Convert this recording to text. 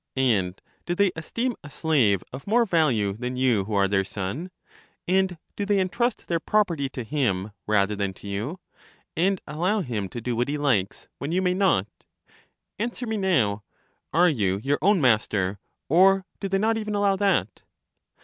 And do they esteem a slave of more value than you who are their son? And do they entrust their prop erty to him rather than to you? and allow him to do what he likes, when you may not? Answer me now: Are you your own master, or do they not even allow that?